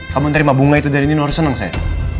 kamu terima bunga itu dari nino harus seneng saya